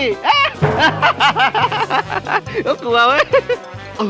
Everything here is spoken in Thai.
น่ากลัวไหม